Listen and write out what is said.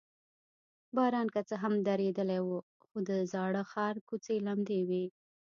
باران که څه هم درېدلی و، خو د زاړه ښار کوڅې لمدې وې.